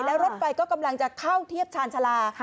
แล้วรถไฟก็กำลังจะเข้าเทียบชาญชาลา